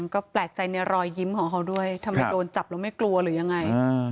ก็แปลกใจในรอยยิ้มของเขาด้วยทำไมโดนจับแล้วไม่กลัวหรือยังไง